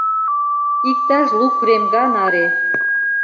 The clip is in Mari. Иктаж лу кремга наре!..